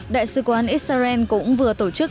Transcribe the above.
đại sứ quán israel cũng vừa tổ chức